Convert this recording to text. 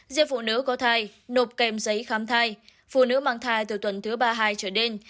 riêng phụ nữ có thai nộp kèm giấy khám thai phụ nữ mang thai từ tuần thứ ba mươi hai trở lên